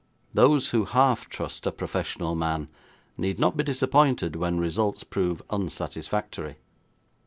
Those who half trust a professional man need not be disappointed when results prove unsatisfactory.